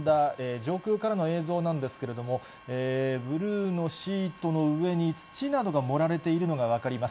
上空からの映像なんですけれども、ブルーのシートの上に土などが盛られているのが分かります。